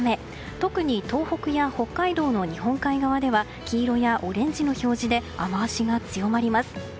特に東北や北海道の日本海側では黄色やオレンジの表示で雨脚が強まります。